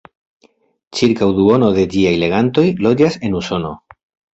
Ĉirkaŭ duono de ĝiaj legantoj loĝas en Usono.